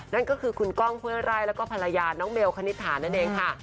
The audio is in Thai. นั่นก็คือคุณก้องห้วยไร่แล้วก็ภรรยาน้องเบลคณิตถานั่นเองค่ะ